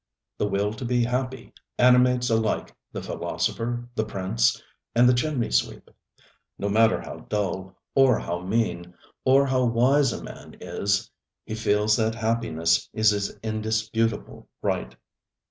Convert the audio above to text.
The will to be happy animates alike the philosopher, the prince and the chimney sweep. No matter how dull, or how mean, or how wise a man is, he feels that happiness is his indisputable right.